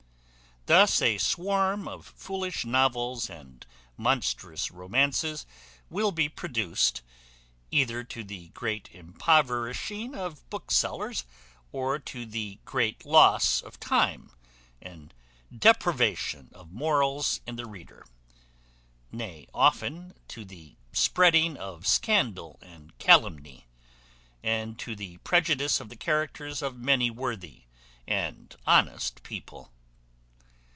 Thus a swarm of foolish novels and monstrous romances will be produced, either to the great impoverishing of booksellers, or to the great loss of time and depravation of morals in the reader; nay, often to the spreading of scandal and calumny, and to the prejudice of the characters of many worthy and honest people.